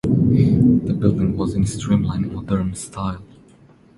The building was in Streamline Moderne style.